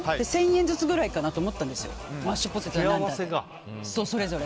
１０００円ずつぐらいかなと思ってたんですよ、それぞれ。